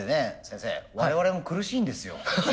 先生我々も苦しいんですよ。